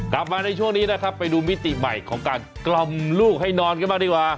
กลับมาในช่วงนี้นะครับไปดูมิติใหม่ของการกล่อมลูกให้นอนกันบ้างดีกว่า